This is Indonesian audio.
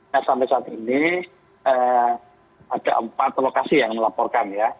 nah sampai saat ini ada empat lokasi yang melaporkan ya